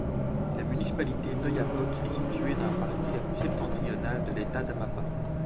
La municipalité d'Oiapoque est située dans la partie la plus septentrionale de État d'Amapá.